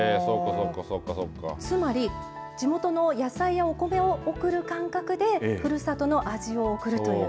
つまり地元の野菜やお米を送る感覚でふるさとの味を送る。